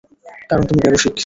কারণ তুমি বেরসিক।